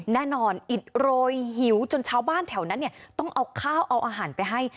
แน่นอนอิดโรยหิวจนชาวบ้านแถวนั้นเนี่ยต้องเอาข้าวเอาอาหารไปให้